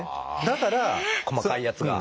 だから細かいやつが。